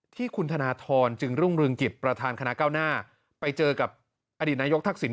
ที่คุณธนทรจึงรุ่งเรืองกิจประธานคณะเก้าหน้าไปเจอกับอดีตนายกทักษิณ